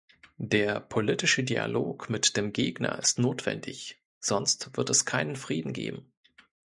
Der politische Dialog mit dem Gegner ist notwendig, sonst wird es keinen Frieden geben.